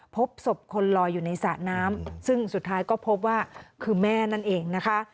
พบศพคนลอยอยู่ในสระน้ำซึ่งสุดท้ายก็พบว่าคือแม่นั่นเองนะคะ